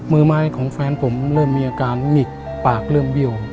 มือไม้ของแฟนผมเริ่มมีอาการหงิกปากเริ่มเบี้ยว